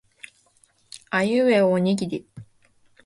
あいうえおおにぎり